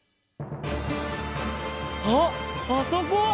あっあそこ！